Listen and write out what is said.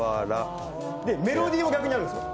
メロディーも逆にあるんですよ。